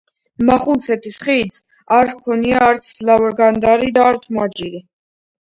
მახუნცეთის ხიდს არ ჰქონია არც ლავგარდანი და არც მოაჯირი.